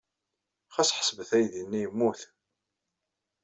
Ɣas ḥesbet aydi-nni yemmut.